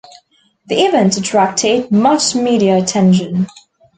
The event attracted much media attention.